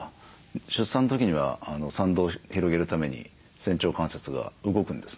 出産の時には産道を広げるために仙腸関節が動くんですね。